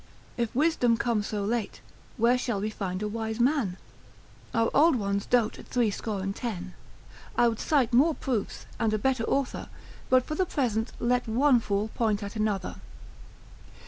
If wisdom come so late, where shall we find a wise man? Our old ones dote at threescore and ten. I would cite more proofs, and a better author, but for the present, let one fool point at another.